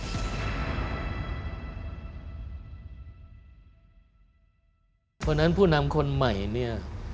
เพราะฉะนั้นผู้นำคนใหม่เนี่ย